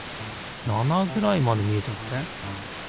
７ぐらいまで見えてません？